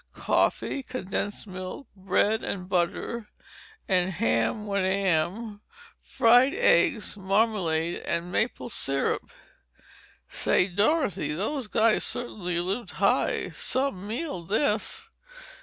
"Coffee, condensed milk, bread and butter, the ham what am, fried eggs, marmalade and maple syrup! Say, Dorothy, those guys certainly lived high. Some meal, this!"